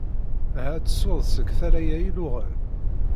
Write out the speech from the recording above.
Ha ad tessuḍ seg tala-a iluɣen.